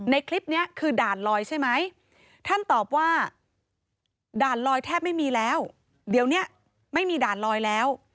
ในคลิปนี้คือด่านลอยใช่ไหมท่านตอบว่าด่านลอยแทบไม่มีแล้วเดี๋ยวนี้ไม่มีด่านลอยแล้ว